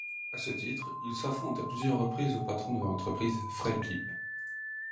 À ce titre, il s'affronte à plusieurs reprises au patron de l'entreprise, Fred Lip.